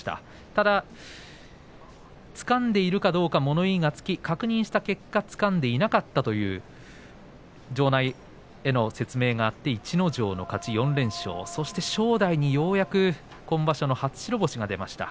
ただ、つかんでいるかどうか物言いがつき確認した結果つかんでいなかったという場内への説明があって逸ノ城の勝ち、４連勝正代にようやく今場所の初白星が出ました。